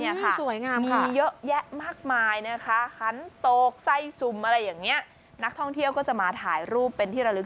ที่สวยงามมีเยอะแยะมากมายนะคะหันโตกไส้สุ่มอะไรอย่างนี้นักท่องเที่ยวก็จะมาถ่ายรูปเป็นที่ระลึก